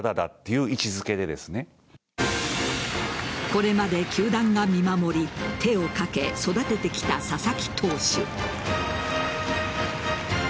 これまで球団が見守り手をかけ育ててきた佐々木投手。